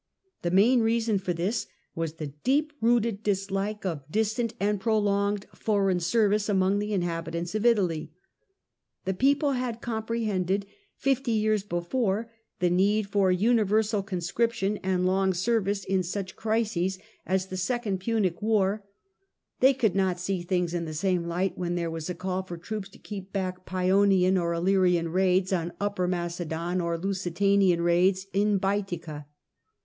The main reason for this was the deep rooted dislike of distant and prolonged foreign service among the inhabitants of Italy. The people Lad com* prehended, fifty years before, the need for universal con scription and long service in such crises as the Second THE OUTEK BARBARIANS 9 Punic War. They could not see things in the same light when there was a call for troops to keep back Pseonian or Illyrian raids on Upper Macedon, or Lusitanian raids on Baetica.